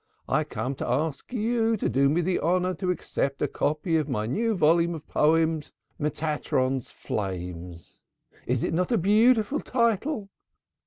I come to ask you to do me the honor to accept a copy of my new volume of poems: Metatoron's Flames. Is it not a beautiful title?